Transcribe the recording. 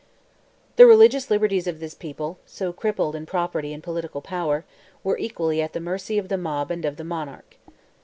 The religious liberties of this people, so crippled in property and political power, were equally at the mercy of the mob and of the monarch.